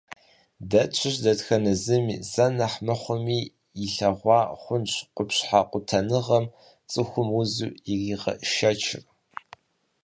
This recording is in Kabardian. Дэ тщыщ дэтхэнэ зыми зэ нэхъ мыхъуми илъэгъуа хъунщ къупщхьэ къутэныгъэм цӏыхум узу иригъэшэчыр.